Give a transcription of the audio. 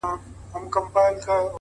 زړه سوي عملونه ژور اغېز لري؛